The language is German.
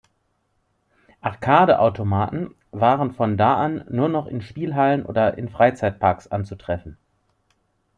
Arcade-Automaten waren von da an nur noch in Spielhallen oder in Freizeitparks anzutreffen.